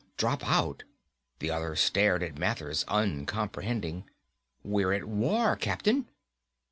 "Drop out!" The other stared at Mathers, uncomprehending. "We're at war, Captain!"